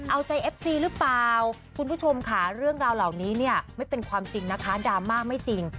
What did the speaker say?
เอาใจเอฟซีหรือเปล่าคุณผู้ชมค่ะเรื่องราวเหล่านี้เนี่ยไม่เป็นความจริงนะคะดราม่าไม่จริง